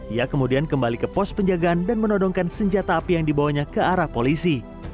ia kemudian kembali ke pos penjagaan dan menodongkan senjata api yang dibawanya ke arah polisi